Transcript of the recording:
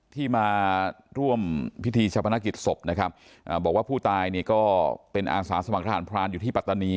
ที่มาร่วมพิธีชะพนักกิจศพนะครับอ่าบอกว่าผู้ตายนี่ก็เป็นอาสาสมัครทหารพรานอยู่ที่ปัตตานี